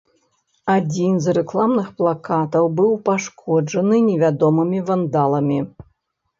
Адзін з рэкламных плакатаў быў пашкоджаны невядомымі вандаламі.